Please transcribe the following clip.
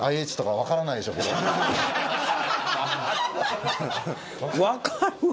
分かるわ。